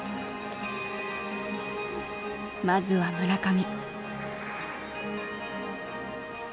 まずは村上。